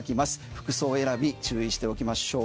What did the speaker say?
服装選び注意しておきましょう。